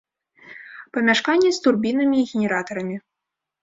Памяшканне з турбінамі і генератарамі.